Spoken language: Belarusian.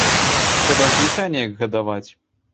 Трэба ж дзіця неяк гадаваць.